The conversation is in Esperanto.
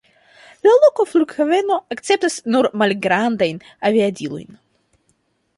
La loka flughaveno akceptas nur malgrandajn aviadilojn.